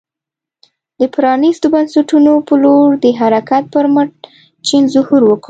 د پرانیستو بنسټونو په لور د حرکت پر مټ چین ظهور وکړ.